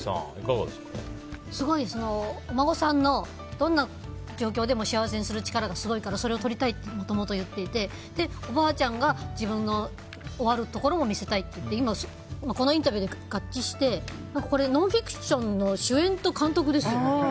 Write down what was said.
すごい、お孫さんのどんな状況でも幸せにする力がすごいからそれを撮りたいともともと言っていておばあちゃんが自分の終わるところも見せたいって言って今、このインタビューで合致してこれノンフィクションの主演と監督ですよ。